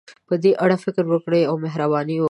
په دې اړه فکر وکړئ، مهرباني وکړئ.